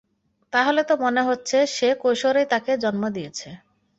তাহলে তো মনে হচ্ছে সে কৈশোরেই তাকে জন্ম দিয়েছে।